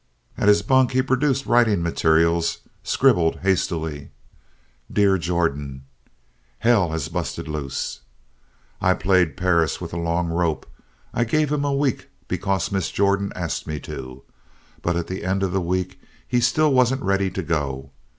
At his bunk, he produced writing materials scribbled hastily. "Dear Jordan, "Hell has busted loose. "I played Perris with a long rope. I gave him a week because Miss Jordan asked me to. But at the end of the week he still wasn't ready to go.